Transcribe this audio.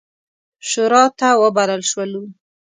شوراته وبلل شولو.